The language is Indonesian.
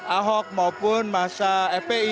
ahok maupun masa fpi